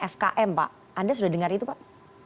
fkm pak anda sudah dengar itu pak